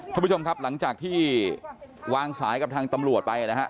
ท่านผู้ชมครับหลังจากที่วางสายกับทางตำรวจไปนะฮะ